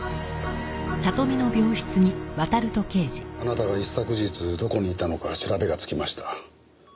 あなたが一昨日どこにいたのか調べがつきました。